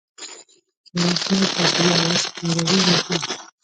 چې یو شمیر طبیعي او اسطوروي نښې